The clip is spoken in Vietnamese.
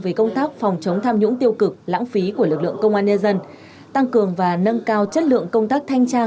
về công tác phòng chống tham nhũng tiêu cực lãng phí của lực lượng công an nhân dân tăng cường và nâng cao chất lượng công tác thanh tra